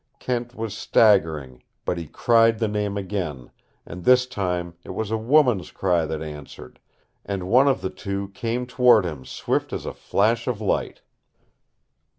Kent was staggering, but he cried the name again, and this time it was a woman's cry that answered, and one of the two came toward him swift as a flash of light.